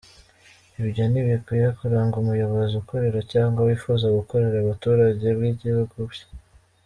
Ibyo ntibikwiye kuranga umuyobozi ukorera cyangwa wifuza gukorera abaturage b’igihugu cye.